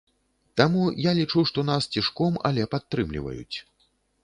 Таму я лічу, што нас цішком, але падтрымліваюць.